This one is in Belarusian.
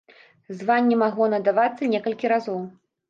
Званне магло надавацца некалькі разоў.